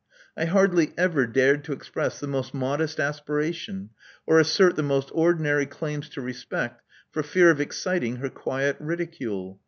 I hardly ever dared to express the most modest aspira tion, or assert the most ordinary claims to respect, for fear of exciting her quiet ridicule.